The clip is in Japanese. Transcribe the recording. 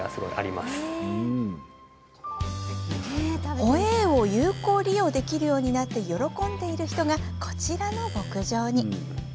ホエーを有効利用できるようになって喜んでいる人がこちらの牧場に。